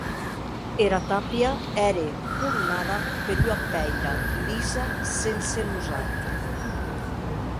Era tàpia ère coronada per ua pèira lisa sense losat.